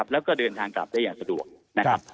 แล้วเขาก็เดินทางกลับได้สะดวก